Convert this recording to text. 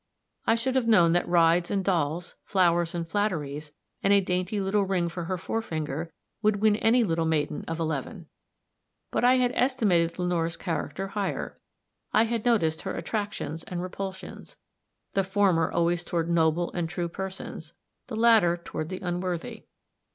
I should have known that rides and dolls, flowers and flatteries, and a dainty little ring for her forefinger, would win any little maiden of eleven; but I had estimated Lenore's character higher. I had noticed her attractions and repulsions, the former always toward noble and true persons the latter toward the unworthy.